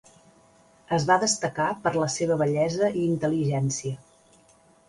Es va destacar per la seva bellesa i intel·ligència.